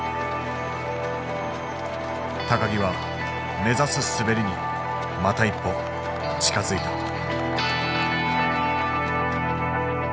木は目指す滑りにまた一歩近づいた。